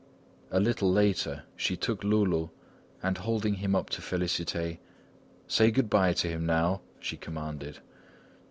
A little later, she took Loulou and holding him up to Félicité: "Say good bye to him, now!" she commanded.